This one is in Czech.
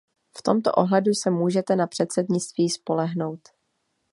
V tomto ohledu se můžete na předsednictví spolehnout.